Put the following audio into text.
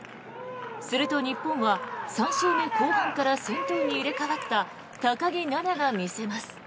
すると、日本は３周目後半から先頭に入れ替わった高木菜那が見せます。